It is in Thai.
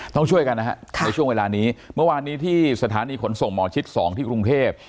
ต้องช่วยกันนะฮะในช่วงเวลานี้เมื่อวานนี้ที่สถานีขนส่งหมอชิด๒ที่กรุงเทพ